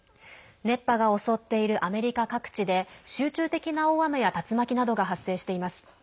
熱波が襲っているアメリカ各地で集中的な大雨や竜巻などが発生しています。